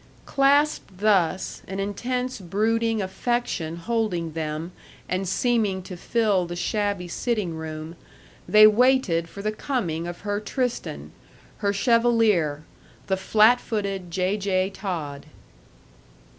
Clasped thus, an intense brooding affection holding them and seeming to fill the shabby sitting room, they waited for the coming of her Tristan, her chevalier, the flat footed J. J. Todd.